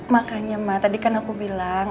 makanya mak tadi kan aku bilang